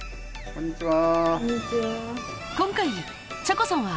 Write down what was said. こんにちは！